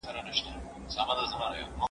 ليکلي پاڼي د زده کوونکي له خوا ترتيب کيږي!.